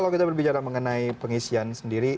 bagaimana cara mengenai pengisian sendiri